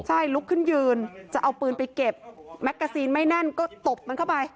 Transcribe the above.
ใช่ลุกขึ้นยืนจะเอาปืนไปเก็บแมกกาซีนไม่แน่นก็ตบมันเข้าไป